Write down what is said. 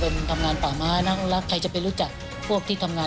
เป็นทำงานต่อมานั่งรักใครจะไปรู้จักก็ไปได้